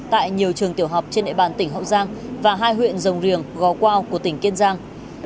tại nhiều trường tiểu học trên nệ bàn tỉnh hậu giang và hai huyện rồng riềng gò quao của tỉnh kiên giang